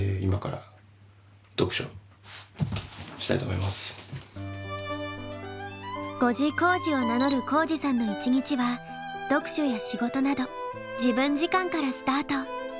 続いては「５時こーじ」を名乗る皓史さんの一日は読書や仕事など自分時間からスタート！